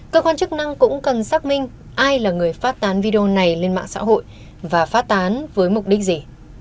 cơ quan chức năng cũng cần xác minh ai là người phát tán video này lên mạng xã hội và phát tán với mục đích gì